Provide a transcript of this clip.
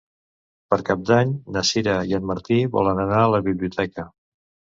Per Cap d'Any na Sira i en Martí volen anar a la biblioteca.